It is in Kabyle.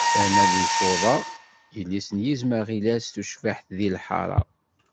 Terna-d lfuḍa, yelli-s n yizem aɣilas tucbiḥt deg lḥara.